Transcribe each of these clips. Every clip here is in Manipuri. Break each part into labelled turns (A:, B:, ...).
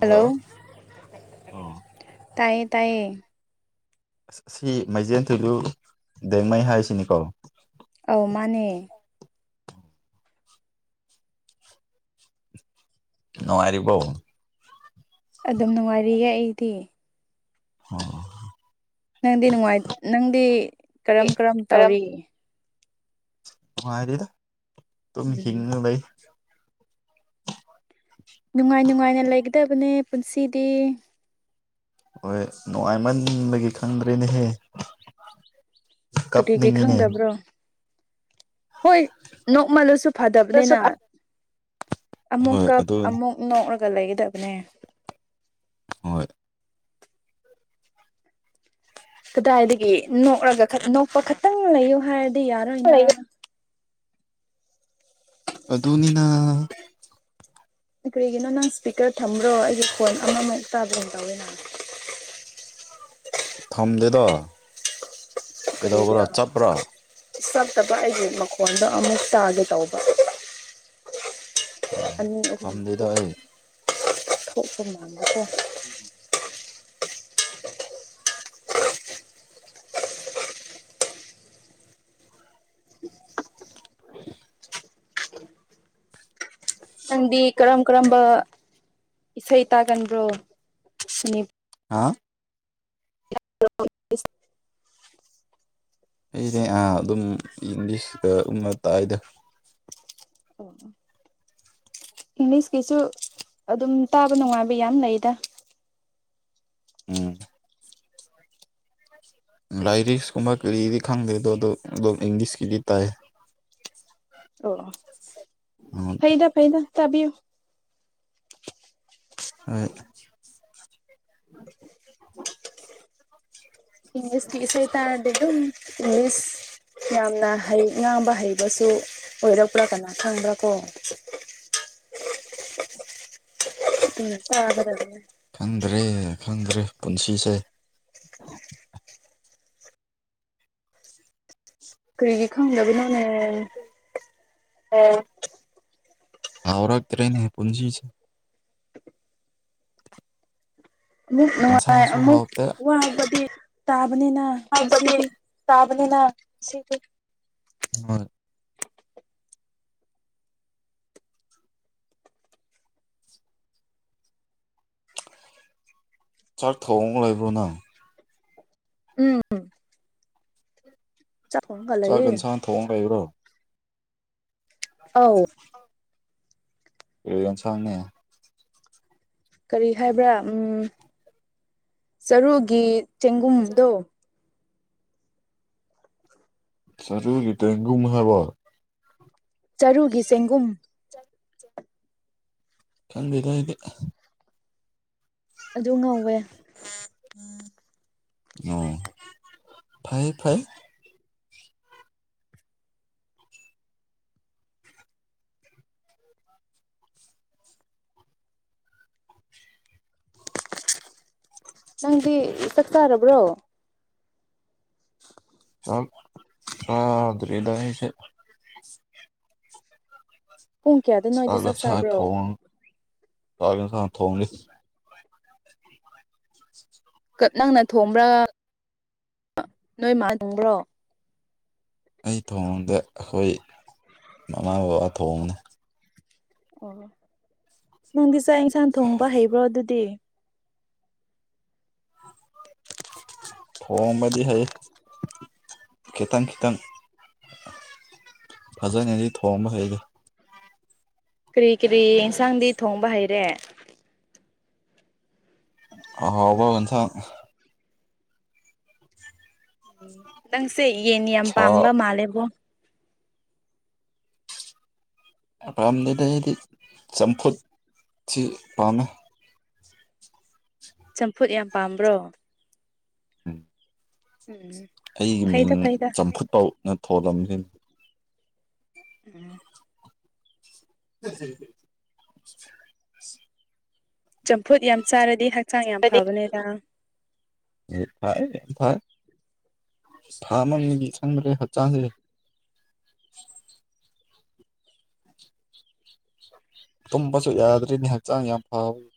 A: ꯍꯜꯂꯣ
B: ꯑꯣ
A: ꯇꯥꯏꯌꯦ ꯇꯥꯏꯌꯦ
B: ꯑꯁꯤ ꯃꯩꯖꯦꯟ ꯊꯣꯏꯔꯨ ꯗꯦꯡꯃꯩ ꯍꯥꯏꯁꯤꯅꯤꯀꯣ
A: ꯑꯧ ꯃꯥꯅꯦ
B: ꯅꯉꯔꯤꯕ
A: ꯑꯗꯨꯝ ꯅꯨꯡꯉꯥꯏꯔꯤꯌꯦ ꯑꯩꯗꯤ
B: ꯑꯣ
A: ꯅꯪꯗꯤ ꯅꯨꯡꯉꯥꯏ ꯅꯪꯗꯤ ꯀꯔꯝ ꯀꯔꯝ ꯇꯧꯔꯤ
B: ꯅꯨꯡꯉꯥꯏꯔꯤꯗ ꯑꯗꯨꯝ
A: ꯎꯝ
B: ꯍꯤꯡꯉ ꯂꯩ
A: ꯅꯨꯡꯉꯥꯏ ꯅꯨꯡꯉꯥꯏꯅ ꯂꯩꯒꯗꯕꯅꯦ ꯄꯨꯟꯁꯤꯗꯤ
B: ꯍꯣꯏ ꯅꯨꯡꯉꯥꯏꯃꯟꯕꯒꯤ ꯈꯪꯗ꯭ꯔꯦꯅꯦꯍꯦ
A: ꯀꯔꯤ ꯀꯩ
B: ꯀꯞꯅꯤꯡꯉꯤꯅꯦ
A: ꯈꯪꯗꯕ꯭ꯔꯣ ꯍꯣꯏ ꯅꯣꯛꯃꯜꯂꯨꯁꯨ
B: ꯑꯗꯨꯁꯨ
A: ꯐꯗꯕꯅꯤꯅ
B: ꯐ ꯍꯣꯏ
A: ꯑꯃꯨꯛꯀꯞ
B: ꯑꯗꯨꯅꯤ
A: ꯑꯃꯨꯛ ꯅꯣꯛꯂꯒ ꯂꯩꯒꯗꯕꯅꯦ
B: ꯍꯣꯏ
A: ꯀꯗꯥꯏꯗꯒꯤ ꯅꯣꯛꯂꯒ ꯅꯣꯛꯄ ꯈꯛꯇꯪ ꯂꯩꯌꯣ ꯍꯥꯏꯔꯗꯤ ꯌꯥꯔꯣꯏꯅ
B: ꯑꯗꯨꯗꯅꯤꯅ
A: ꯀꯔꯤꯒꯤꯅꯣ ꯅꯪ ꯏꯁ꯭ꯄꯤꯀꯔ ꯊꯝꯕ꯭ꯔꯣ ꯑꯩꯒꯤ ꯐꯣꯟ ꯑꯃꯃꯛ ꯇꯥꯕ꯭ꯔꯣꯝ ꯇꯧꯋꯦ ꯅꯪ
B: ꯊꯝꯗꯦꯗꯣ
A: ꯀꯔꯗ꯭ꯔ [unintelligible] ꯆꯠꯇꯕ ꯑꯩꯒꯤ ꯃꯈꯣꯟꯗꯣ ꯑꯃꯨꯛ ꯇꯥꯒꯦ ꯇꯧꯕ ꯑ
B: ꯊꯝꯗꯦꯗ ꯑꯩ
A: ꯊꯣꯛ ꯐ ꯀꯣ [unintelligible]
B: ꯎ [unintelligible]
A: ꯅꯪꯗꯤ ꯀꯔꯝ ꯀꯔꯝꯕ ꯏꯁꯩ ꯇꯥꯒꯟꯕ꯭ꯔꯣ ꯁꯅꯤ
B: ꯍꯥ
A: ꯑ [unintelligible]
B: ꯑꯩꯗꯤ ꯑꯥ ꯑꯗꯨꯝ ꯏꯪꯂꯤꯁꯇ ꯎꯕ [unintelligible] ꯇꯥꯏꯗ
A: ꯑꯣ ꯑꯣ ꯏꯪꯂꯤꯁꯀꯤꯁꯨ ꯑꯗꯨꯝ ꯇꯥꯕ ꯅꯨꯡꯉꯥꯏꯕ ꯌꯥꯝ ꯂꯩꯗ
B: ꯎꯝ ꯂꯥꯏꯔꯤꯛꯁ ꯀꯨꯝꯕ ꯀꯔꯤꯗꯤ ꯈꯪꯗꯦꯗꯣ ꯑꯗꫭ ꯑꯗꯨꯝ ꯏꯪꯂꯤꯁꯀꯤꯗꯤ ꯇꯥꯏ
A: ꯑꫭ ꯑꯣ ꯐꯩꯗ ꯐꯩꯗ ꯇꯥꯕꯤꯌꯨ
B: ꯍꯣꯏ
A: ꯏꯪꯂꯤꯁꯀꯤ ꯏꯁꯩ ꯇꯔꯗꯤ‌ ꯑꯗꯨꯝ ꯏꯪꯂꯤꯁ ꯌꯥꯝꯅ ꯍꯩ ꯉꯥꯡꯕ ꯍꯩꯕꯁꯨ ꯑꯣꯏꯔꯛꯄ꯭ꯔꯥ ꯀꯥꯅ ꯈꯪꯕ꯭ꯔꯥ ꯀꯣ
B: [inaudible]
A: ꯎꯝ ꯇꯥꯒꯗꯕꯅ‌ꯦ
B: ꯈꯪꯗ꯭ꯔꯦ ꯈꯪꯗ꯭ꯔꯦ ꯄꯨꯟꯁꯤꯁꯦ
A: ꯀꯔꯤꯒꯤ ꯈꯪꯗꯕꯅꫭꯅꯦ
B: ꯑꯣꯔꯥꯛ꯭ꯔꯦꯅꯦ [unintelligible] ꯄꯨꯟꯖꯤꯁ‌ꯦ
A: ꯑꯃꯨꯛ ꯅꯨꯡꯉꯥꯏ
B: ꯌꯦꯟꯁꯥꯡꯁꯨ
A: ꯑꯃꯨꯛ
B: ꯍꯥꯎꯇꯦ
A: ꯋꯥꯕꯗꯤ ꯇꯥꯕꯅꯤꯅ ꯄꯨꯟꯁꯤꯗꯤ
B: ꯇꯥꯕꯅꯤꯅ ꯄꯨꯟꯁꯤ ꯍꯣꯏ ꯆꯥꯛ ꯊꫭꯡꯉꯒ ꯂꯩꯕ꯭ꯔꫭ ꯅꯪ
A: ꯎꯝ ꯎꯝ ꯊꯣꯡꯉꯒ
B: ꯆꯥꯛ
A: ꯂꯩꯌꯦ
B: ꯏꯟꯁꯥꯥꯡ ꯊꯣꯡ ꯂꯩꯕ꯭ꯔꯣ
A: ꯑꯥꯎ
B: ꯀꯔꯤ ꯏꯟꯁꯥꯡꯅ‌ꯦ
A: ꯀꯔꯤ ꯍꯥꯏꯕ꯭ꯔꯥ ꯎꯝ ꯆꯔꯨꯒꯤ ꯆꯦꯡꯒꯨꯝꯗꯣ
B: ꯆꯔꯨꯒꯤ ꯆ‌ꯦꯡꯒꯨꯝ ꯍꯥꯏꯕ
A: ꯆꯔꯨꯒꯤ ꯆꯦꯡꯒꯨꯝ
B: ꯈꯪꯗ‌ꯦꯗ ꯑꯩꯗꯤ
A: ꯑꯗꯨ ꯉꯧꯋꯦ
B: ꯑꯣ ꯐꯥꯏꯌ‌ꯦ ꯐꯥꯏꯌ‌ꯦ
A: ꯅꯪꯗꯤ ꯆꯥꯛꯆꯔꯕ꯭ꯔꯣ
B: ꯆꯥꯛ ꯆꯗꯔꯤꯗꯥ ꯑꯩꯁꯤ
A: ꯄꯨꯡ ꯀꯌꯥꯗ ꯅꯣꯏꯗꯤ
B: ꯊ
A: ꯆꯥꯛ
B: ꯊ
A: ꯆꯥꯕ꯭ꯔꯣ
B: [unintelligible]
A: ꯀꯠ ꯅꯪꯅ ꯊꯣꯡꯕ꯭ꯔꯥ ꯅꯣꯏ ꯃꯥꯅ ꯊꯣꯡꯕ꯭ꯔꯣ
B: ꯑꯩ ꯊꯣꯡꯗ ꯑꯩꯈꯣꯏ ꯃꯃꯥꯒ ꯕꯕꯥ ꯊꯣꯡꯕꯅ‌ꯦ
A: ꯑꯣ ꯅꯪꯗꯤ ꯆꯥꯛ ꯌꯦꯟꯁꯥꯡ ꯊꯣꯡꯕ ꯍꯩꯕ꯭ꯔꯣ ꯑꯗꯨꯗꯤ
B: ꯊꯣꯡꯕꯗꯤ ꯍꯩ ꯈꯤꯇꯪ ꯈꯤꯇꯪ ꯐꯖꯅꯗꯤ ꯊꯣꯡꯕ ꯍꯩꯇ‌ꯦ
A: ꯀꯔꯤ ꯀꯔꯤ ꯏꯟꯁꯥꯡꯗꯤ ꯊꯣꯡꯕ ꯍꯩꯔꯦ
B: ꯑꯍꯥꯎꯕ ꯌꯦꯟꯁꯥꯡ
A: ꯎꯝ ꯅꯪꯁꯦ ꯌꯦꯟ ꯌꯥꯝ
B: ꯁꯥ
A: ꯄꯥꯝꯕ ꯃꯥꯜꯂꯦꯕꯣ
B: ꯄꯥꯝꯗꯦꯗ ꯑꯩꯗꯤ ꯆꯝꯐꯨꯠ ꯁꯤ ꯄꯥꯝꯃꯦ
A: ꯆꯝꯐꯨꯠ ꯌꯥꯝ ꯄꯥꯝꯕ꯭ꯔꯣ
B: ꯎꯝ [inaudible]
A: ꯎꯝ
B: ꯑꯩꯒꯤ ꯃꯤꯡ
A: ꯐꯩꯗ ꯐꯩꯗ
B: ꯆꯝꯐꯨꯠ ꯐꯥꯎꯅ ꯊꯣꯜꯂꯝꯂꯤꯅꯤ
A: ꯎꯝ [inaudible]
B: ꯎ ꯍꯝ [inaudible]
A: ꯆꯝꯐꯨꯠ ꯌꯥꯝ ꯆꯥꯔꯗꯤ ꯍꯛꯆꯥꯡ ꯌꯥꯝ ꯐꯕꯅꯤꯗ
B: ꯐꯥꯏ ꯌꯥꯝ ꯐꯥꯏ ꯊꯥ ꯑꯃꯅꯤꯗꯤ ꯈꯪꯕ꯭ꯔꯦ ꯍꯛꯆꯥꯡꯁꯦ ꯇꯨꯝꯕꯁꯨ ꯌꯥꯗ꯭ꯔꯤꯅꯦ ꯍꯛꯆꯥꯡ ꯌꯥꯝ ꯐꯥꯕꯅꯦ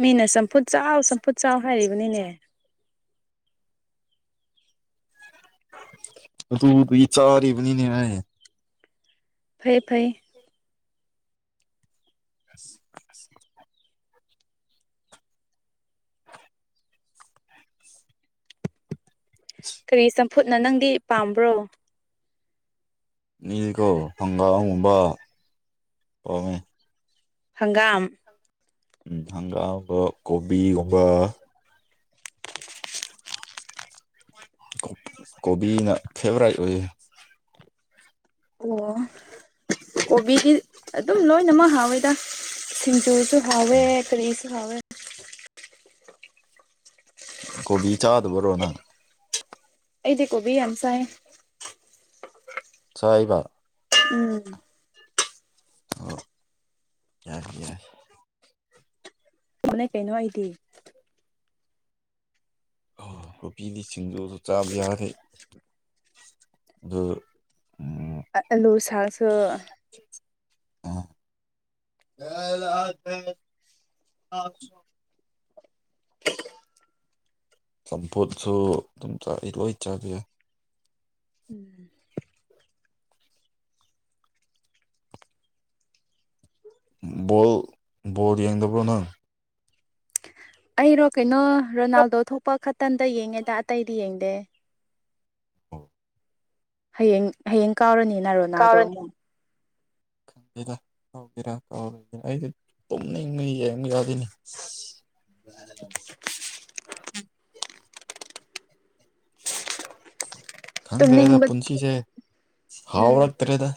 A: ꯃꯤꯅ ꯆꯝꯐꯨꯠ ꯆꯥꯎ ꯆꯝꯐꯨꯠ ꯆꯥꯎ ꯍꯥꯏꯔꯤꯕꯅꯤꯅꯦ
B: ꯑꯗꯨꯗꯨꯒꯤ ꯆꯥꯔꯤꯕꯅꯤꯅꯦ ꯑꯩ
A: ꯐꯩ ꯐꯩ
B: ꯑ [unintelligible]
A: ꯀꯔꯤ ꯆꯝꯐꯨꯠꯅ ꯅꯪꯗꯤ ꯄꯥꯝꯕ꯭ꯔꯣ
B: ꯃꯤ [inaudible] ꯀꯧꯕꯣ ꯍꯪꯒꯥꯝꯕ ꯄꯝꯃꯦ
A: ꯍꯪꯒꯥꯝ
B: ꯎꯝ ꯍꯪꯒꯥꯝꯒꯨꯝꯕ ꯀꯣꯕꯤꯒꯨꯝꯕ [inaudible] ꯀꯣꯕꯤꯅ ꯐꯦꯕꯣꯔꯥꯏꯠ ꯑꯣꯏꯌꯦ
A: ꯑꯣ ꯀꯣꯕꯤꯗꯤ ꯑꯗꯨꯝ ꯂꯣꯏꯅꯃꯛ ꯍꯥꯎꯋꯦꯗ ꯁꯤꯡꯖꯨꯁꯨ ꯍꯧꯋꯦ ꯀꯔꯤꯁꯨ ꯍꯥꯎꯋꯦ
B: ꯀꯣꯕꯤ ꯆꯥꯗꯕꯔꯣ ꯅꯪ
A: ꯑꯩꯗꯤ ꯀꯣꯕꯤ ꯌꯥꯝ ꯆꯥꯢ
B: ꯆꯥꯏꯌꯦꯕ
A: ꯎꯝ
B: ꯑꯣ ꯌꯥꯢ ꯌꯥꯢ
A: ꯃꯥꯅꯦ ꯀꯩꯅꯣ ꯑꯩꯗꯤ
B: ꯊꯣꯕꯤꯗꯤ ꯁꯤꯡꯖꯨꯁꯨ ꯆꯥꯕ ꯌꯥꯔꯦ ꯑꯗꯨ ꯎꯝ
A: ꯑꯂꯨ ꯁꯥꯥꯛꯁꯨ
B: [inaudible] ꯆꯝꯐꯨꯠꯁꯨ ꯑꯗꯨꯝ ꯆꯥꯏ ꯂꯣꯏ ꯆꯥꯕ ꯌꯥꯏ
A: ꯎꯝ
B: ꯕꯣꯜ ꯕꯣꯜ ꯌꯦꯡꯗꯕ꯭ꯔꯣ ꯅꯪ
A: ꯑꯩꯔꯣ ꯀꯩꯅꯣ ꯔꯣꯅꯥꯜꯗꯣ ꯊꯣꯛꯄ ꯈꯛꯇꯟꯗ ꯌꯦꯡꯉꯦꯗ ꯑꯇꯩꯗꯤ ꯌꯦꯡꯗꯦ
B: ꯑꯣ
A: ꯍꯌꯦꯡ ꯍꯌꯦꯡ ꯀꯥꯎꯔꯅꯤꯅ ꯔꯣꯅꯥꯜꯗꯣ
B: ꯀꯥꯎꯔꯅꯤ
A: ꯑꯃꯨꯛ
B: ꯗ ꯀꯧꯒꯦꯔ ꯀꯔꯒꯦꯔ ꯑꯩꯗꯤ ꯇꯨꯝꯅꯤꯡꯕ ꯌꯦꯡ ꯌꯥꯗꯣꯏꯅꯤ [inaudible]
A: [inaudible]
B: ꯈꯪꯗ꯭ꯔꯦꯗ
A: ꯇꯨꯝꯅꯤꯡꯕ
B: ꯄꯨꯟꯁꯤꯁꯦ ꯍꯥꯎ
A: ꯎꯝ
B: ꯔꯛꯇ꯭ꯔꯦꯗ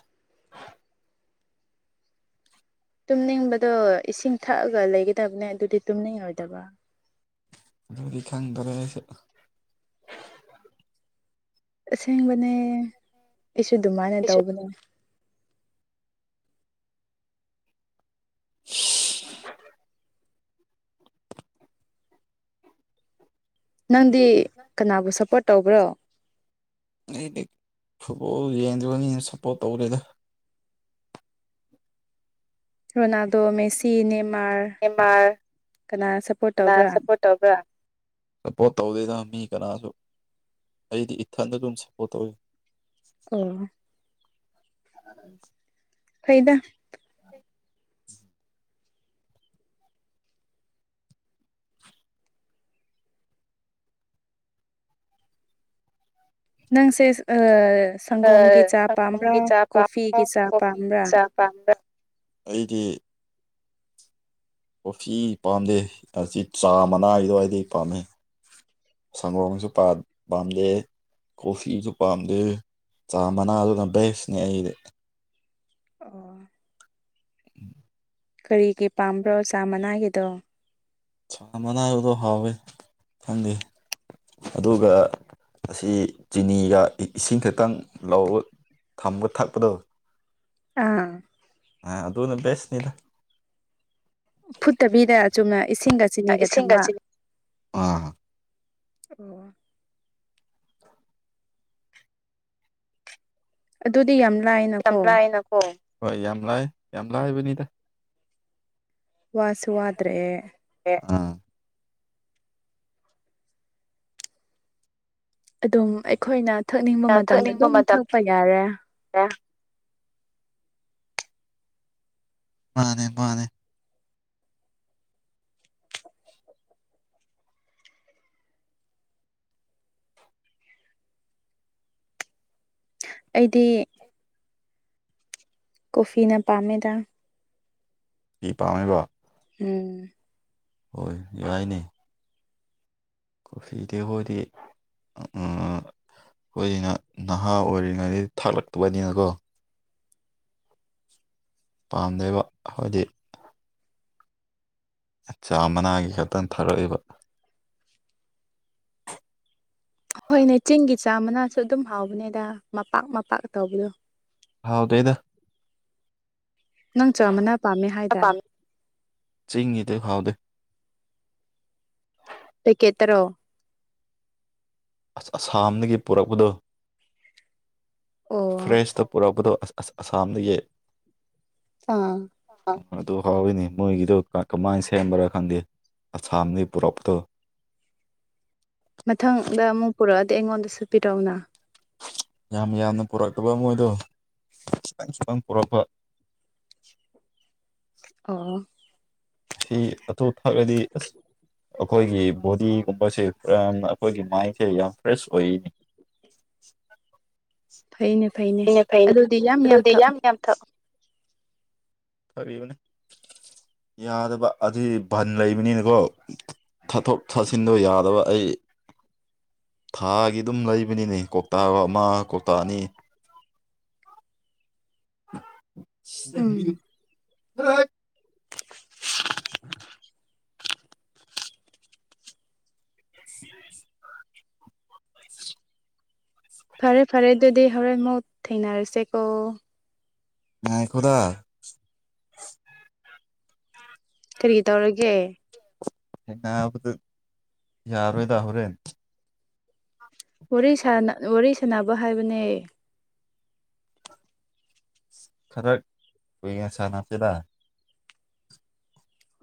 A: ꯇꯨꯝꯅꯤꯡꯕꯗꯣ ꯏꯁꯤꯡ ꯊꯛꯑꯒ ꯂꯩꯒꯗꯕꯅꯦ ꯑꯗꯨꯗꯤ ꯇꯨꯝꯅꯤꯡꯉꯣꯏꯗꯕ
B: ꯑꯗꯨꯗꯤ ꯈꯪꯗꯔꯦ ꯑꯩꯁꯨ
A: ꯑꯁꯦꯡꯕꯅꯦ ꯑꯩꯁꯨ ꯑꯗꯨꯃꯥꯏꯅ
B: ꯑꯩꯁꯨ
A: ꯇꯧꯕꯅꯦ
B: [inaudible]
A: ꯅꯪꯗꯤ ꯀꯅꯥꯕꯨ ꯁꯞꯄꯣꯔꯠ ꯇꯧꯕ꯭ꯔꯣ
B: ꯑꯗꯤ ꯐꯨꯠꯕꯣꯜ ꯌꯦꯡꯗꯕꯅꯤꯅ ꯁꯞꯄꯣꯔꯠ ꯇꯧꯗꯦꯗ
A: ꯔꯣꯅꯥꯜꯗꯣ ꯃꯦꯁꯤ ꯅꯦꯃꯥꯔ
B: ꯅꯦꯃꯥꯔ
A: ꯀꯅꯥ ꯁꯞꯄꯣꯔꯠ
B: ꯀꯟꯅꯗ
A: ꯇꯧꯕ꯭ꯔꯥ
B: ꯁꯄꯣꯔꯠ ꯇꯧꯕ꯭ꯔꯥ ꯁꯄꯣꯔꯠ ꯇꯧꯗꯦꯗ ꯃꯤ ꯀꯟꯅꯁꯨ ꯑꯩꯗꯤ ꯏꯊꯟꯗ ꯑꯗꯨꯝ ꯁꯞꯄꯣꯔꯠ ꯇꯧꯋꯤ
A: ꯑꯣ
B: [unintelligible]
A: ꯐꯩꯗ ꯅꯪꯁꯦ ꯁꯪꯒꯣꯝꯒꯤ ꯆꯥ ꯄꯥꯝꯕ꯭ꯔꯥ ꯀꯣꯐꯤꯒꯤ ꯆꯥ ꯄꯥꯝꯕ꯭ꯔꯥ
B: ꯄꯝꯕ꯭ꯔ ꯑꯩꯗꯤ ꯀꯣꯐꯤ ꯄꯥꯝꯗꯦ ꯑꯁꯤ ꯆꯥ ꯃꯅꯥꯒꯤ ꯑꯗꯨꯋꯥꯏꯗꯩ ꯄꯥꯝꯃꯦ ꯁꯪꯒꯣꯝꯁꯨ ꯄꯥꯝꯗꯦ ꯀꯣꯐꯤꯁꯨ ꯄꯥꯝꯗꯦ ꯆꯥꯃꯅꯥ ꯑꯗꯨꯅ ꯕꯦꯁꯠ ꯅꯦ ꯑꯩꯗꯤ
A: ꯑꯣ
B: ꯎꯝ
A: ꯀꯔꯤꯒꯤ ꯄꯥꯝꯕ꯭ꯔꯣ ꯆꯥ ꯃꯅꯥꯒꯤꯗꯣ
B: ꯆꯥ ꯃꯅꯥꯒꯤꯗꯣ ꯍꯥꯎꯋꯦ ꯈꯪꯗꯦ ꯑꯗꯨꯒ ꯑꯁꯤ ꯆꯤꯅꯤꯒ ꯏꯁꯤꯡ ꯈꯛꯇꯪ ꯂꯧ ꯊꯝꯕ ꯊꯛꯄꯗꯣ
A: ꯑꯥ
B: ꯑ ꯑꯗꯨꯅ ꯕꯦꯁꯅꯤꯗ
A: ꯐꯨꯠꯇꯕꯤꯗ ꯆꯨꯝꯅ ꯏꯁꯤꯡꯒ ꯆꯤꯅꯤꯒ
B: ꯏꯁꯤꯡꯒ
A: ꯊꯝꯕ
B: ꯆꯤꯅꯤ
A: ꯑꯣ ꯑꯗꯨꯗꯤ ꯌꯥꯝ
B: ꯌꯥꯝ
A: ꯂꯥꯏꯅꯀꯣ
B: ꯂꯥꯏꯅ ꯀꯣ ꯍꯣꯏ ꯌꯥꯝ ꯂꯥꯏ ꯌꯥꯝ ꯂꯥꯏꯕꯅꯤꯗ
A: ꯋꯥꯁꯨ ꯋꯥꯗ꯭ꯔꯔꯦ
B: ꯑ
A: ꯑꯗꯨꯝ ꯑꯩꯈꯣꯏꯅ ꯊꯛꯅꯤꯡꯕ ꯃꯇꯝꯗ
B: ꯊꯛꯅꯤꯡꯕ
A: ꯑꯗꯨꯝ
B: ꯃꯇꯝ
A: ꯊꯛꯄ ꯌꯥꯔꯦ
B: [inaudible] ꯃꯥꯅꯦ ꯃꯥꯅꯦ
A: ꯑꯩꯗꯤ ꯀꯣꯐꯤꯅ ꯄꯥꯝꯃꯦꯗ
B: ꯐꯤ ꯄꯥꯝꯃꯦꯕꯥ
A: ꯎꯝ
B: ꯍꯣꯏ ꯌꯥꯏꯅꯦ ꯀꯣꯐꯤꯗꯤ ꯍꯣꯏꯗꯤ ꯑꯝ ꯑꯩꯈꯣꯏꯅ ꯅꯍꯥ ꯑꯣꯏꯔꯤꯉꯩ ꯗꯒꯤ ꯊꯥꯛꯂꯛꯄꯥꯅꯤ‌ ꯅꯀꯣ ꯄꯥꯝꯗꯦꯕ ꯑꯈꯣꯏꯗꯤ ꯆꯥ ꯃꯅꯥꯒꯤ ꯈꯛꯇꯪ ꯊꯥꯔꯛꯏꯕ
A: ꯍꯣꯏꯅꯦ ꯆꯤꯡꯒꯤ ꯆꯥ ꯃꯅꯥꯁꯨ ꯑꯗꯨꯝ ꯍꯥꯎꯕꯅꯦꯗ ꯃꯄꯥꯛ ꯃꯄꯥꯛ ꯇꯧꯕꯗꯣ
B: ꯍꯥꯎꯗ꯭ꯔꯦꯗ
A: ꯅꯪ ꯆꯥꯝꯃꯅ ꯄꯥꯝꯃꯦ ꯍꯥꯏꯗꯥꯏ
B: ꯆꯤꯡꯒꯥꯗꯤ ꯍꯥꯎꯗꯦ
A: ꯄꯦꯀꯦꯠ ꯇ꯭ꯔꯣ
B: ꯑꯁ ꯑꯁꯥꯝꯗꯒꯤ ꯄꯨꯔꯛꯄꯗꯣ
A: ꯑꯣ
B: ꯐ꯭ꯔꯦꯟꯁꯇ ꯄꯨꯔꯛꯄꯗꯣ ꯑꯁ ꯑꯁꯥꯝꯗꯒꯤ
A: ꯑꯥ
B: ꯑꯗꯨ ꯍꯥꯎꯋꯏꯅꯤ ꯃꯣꯏꯒꯤꯗꯣ ꯀꯃꯥꯏꯅ ꯁꯦꯝꯕ꯭ꯔꯥ ꯈꯪꯗꯦ ꯑꯁꯥꯝꯅꯤ ꯄꯨꯔꯞꯇꯣ
A: ꯃꯊꯪꯗ ꯑꯃꯨꯛ ꯄꯨꯔꯛꯑꯗꯤ ꯑꯩꯉꯣꯟꯗꯁꯨ ꯄꯤꯔꯛꯎꯅ
B: ꯌꯥꯝ ꯌꯥꯝꯅ ꯄꯨꯔꯛꯇꯕ ꯃꯣꯏꯗꯣ ꯈꯤꯇꯪ ꯈꯤꯇꯪ ꯄꯣꯔꯛꯄ
A: ꯑꯣ
B: ꯁꯤ ꯑꯇꯣ ꯊꯥꯠꯂꯗꯤ ꯑꯁ ꯑꯩꯈꯣꯏꯒꯤ ꯕꯣꯗꯤꯒꯨꯝꯕꯁꯦꯅ ꯑꯩꯈꯣꯏꯒꯤ ꯃꯥꯏꯟꯁꯦ ꯌꯥꯝ ꯐ꯭ꯔꯦꯁ ꯑꯣꯏꯅꯤ
A: ꯐꯩꯅꯦ ꯐꯩꯅꯦ
B: ꯅꯦ ꯐꯩꯅꯦ
A: ꯑꯗꯨꯗꯤ ꯌꯥꯝ
B: ꯑꯗꯨꯗꯤ ꯌꯥꯝ
A: ꯊꯛꯑꯣ
B: ꯌꯥꯝ ꯊꯛꯑꯣ ꯌꯥꯗꯕ ꯑꯗꯨ ꯕꯟ ꯂꯩꯕꯅꯤꯅꯀꯣ ꯊꯥꯊꯣꯛ ꯊꯥꯁꯤꯟꯗ ꯌꯥꯗꯕ ꯑꯩ ꯊꯥꯒꯤ ꯑꯗꯨꯝ ꯂꯩꯕꯅꯤꯅꯦ ꯀꯧꯇꯥꯒ ꯑꯃ ꯀꯧꯇꯥ ꯑꯅꯤ ꯁ
A: ꯎꯝ
B: [unintelligible]
A: [inaudible]
B: [inaudible]
A: ꯐꯔꯦ ꯐꯔꯦ ꯑꯗꯨꯗꯤ ꯍꯣꯔꯦꯟ ꯃꯨꯠ ꯊꯦꯡꯅꯔꯁꯦꯀꯣ
B: ꯉꯥꯏꯈꯣꯗꯥ
A: ꯀꯔꯤ ꯇꯧꯔꯒꯦ
B: ꯍꯕꯗꯨ ꯌꯥꯔꯣꯏꯗ ꯍꯣꯔꯦꯟ
A: ꯋꯥꯔꯤ ꯁꯅꯕ ꯍꯥꯏꯕꯅꯦ
B: ꯈꯔ ꯀꯨꯏꯉꯦ ꯁꯥꯟꯅꯕꯁꯤꯗ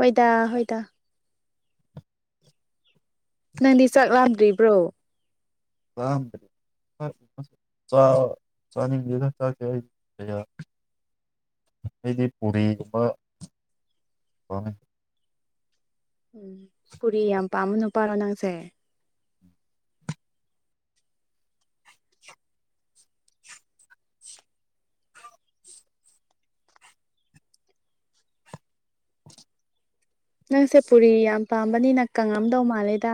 A: ꯍꯣꯏꯗ ꯍꯣꯏꯗ ꯅꯪꯗꯤ ꯆꯥꯛ ꯂꯥꯝꯗ꯭ꯔꯤꯕ꯭ꯔꯣ
B: ꯋꯥ ꯆꯥꯅꯤꯡꯗꯦꯗ ꯆꯥꯦ ꯍꯥꯏ ꯑꯩꯗꯤ ꯄꯨꯔꯤꯒꯨꯝꯕ
A: ꯎꯝ ꯄꯨꯔꯤ ꯌꯥꯝ ꯄꯥꯝꯃꯅꯨ ꯄꯥꯔꯣ ꯅꯪꯁꯦ ꯅꯪꯁꯦ ꯄꯨꯔꯤ ꯌꯥꯝ ꯄꯥꯝꯕꯅꯤꯅ ꯀꯪꯉꯝꯗꯧ ꯃꯥꯜꯂꯦꯗ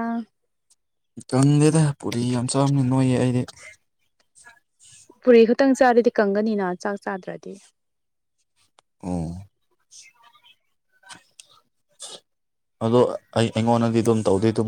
B: ꯀꯪꯗꯦꯗ ꯄꯨꯔꯤ ꯌꯥꯝ ꯆꯥꯝꯅꯤ ꯅꯣꯏꯌꯦ ꯑꯩꯗꯤ
A: ꯄꯨꯔꯤ ꯈꯛꯇꯪ ꯆꯥꯔꯗꯤ ꯀꯪꯒꯅꯤꯅ ꯆꯥꯛ ꯆꯥꯗ꯭ꯔꯗꯤ
B: ꯎꯝ ꯑꯗꯣ ꯑꯩ ꯑꯩꯉꯣꯟꯗꯗꯤ ꯑꯗꯨꯝ ꯇꯧꯗꯦ ꯑꯗꯨꯝ